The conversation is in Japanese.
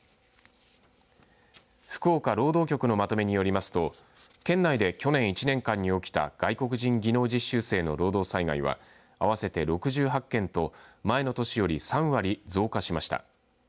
福岡労働局のまとめによりますと県内で去年１年間に起きた外国人技能実習生の労働災害は合わせて６８件と前の年より３割増加しました。